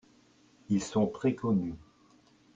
Ils sont très connus.